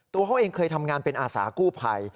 ตัวเขาเองเคยทำงานเป็นอาสากู้ภัย